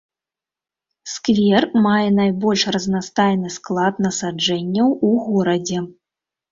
Сквер мае найбольш разнастайны склад насаджэнняў у горадзе.